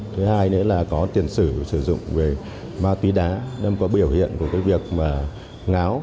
thứ hai nữa là có tiền sử sử dụng về ma túy đá có biểu hiện của việc ngáo